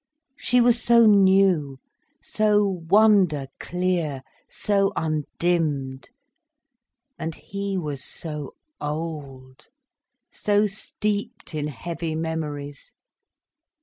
She was so new, so wonder clear, so undimmed. And he was so old, so steeped in heavy memories.